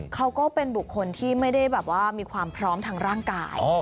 เขาก็เป็นบุคคลที่ไม่ได้แบบว่ามีความพร้อมทางร่างกาย